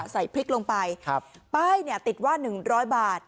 ใส่พริกลงไปครับป้ายเนี้ยติดว่าหนึ่งร้อยบาท